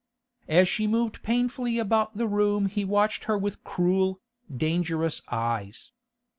As she moved painfully about the room he watched her with cruel, dangerous eyes.